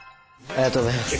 ありがとうございます。